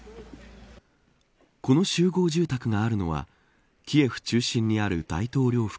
この集合住宅があるのはキエフ中心にある大統領